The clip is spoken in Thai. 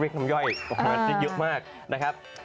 ขัดเล็กน้ำย่อยเยอะมากนะครับ